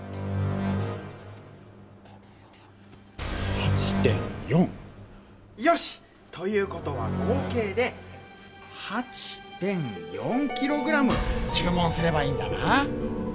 ８．４！よし！ということは合計で８．４ｋｇちゅう文すればいいんだな。